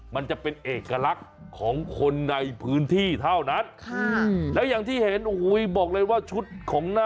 มันจะเป็นเอกลักษณ์ของคนในพื้นที่เท่านั้น